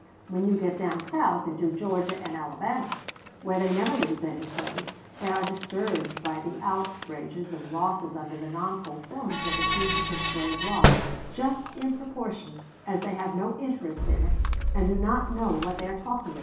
When you get down South, into Georgia and Alabama, where they never lose any slaves, they are disturbed by the outrages and losses under the non fulfillment of the fugitive slave law just in proportion as they have no interest in it, and do not know what they are talking about."